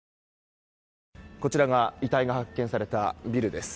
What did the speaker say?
こちらが遺体が発見されたビルです。